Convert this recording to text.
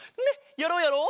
やろうやろう！